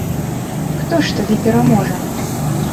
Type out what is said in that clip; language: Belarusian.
Хто ж тады пераможа?